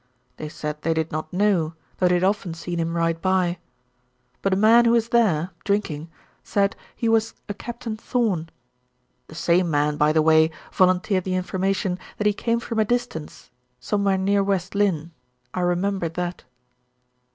They said they did not know, though they had often seen him ride by; but a man who was there, drinking, said he was a Captain Thorn. The same man, by the way, volunteered the information that he came from a distance; somewhere near West Lynne; I remember that."